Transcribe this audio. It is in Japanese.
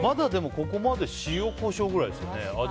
でもまだここまで塩、コショウぐらいですよね。